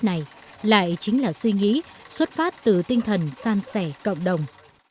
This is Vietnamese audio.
này lại chính là suy nghĩ xuất phát từ tinh thần san sẻ cộng đồng